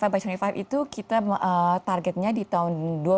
dua puluh lima by dua puluh lima itu kita targetnya di tahun dua puluh